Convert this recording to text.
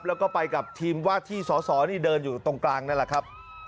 แล้วก็ไปกับทีมวาดที่สอสอนี่เดินอยู่ตรงกลางนั่นแหละครับ